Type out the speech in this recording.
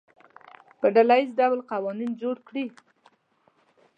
په ډله ییز ډول قوانین جوړ کړي.